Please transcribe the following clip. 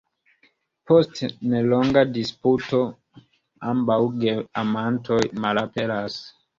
Post nelonga disputo, ambaŭ geamantoj malaperas.